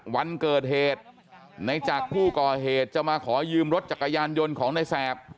วันเกิดเหตุในจากผู้ก่อเหตุจะมาขอยืมรถจักรยานยนต์ของในแสบ